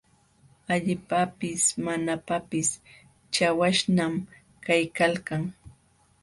Awillapis mamapis chawaśhñam kaykalkan.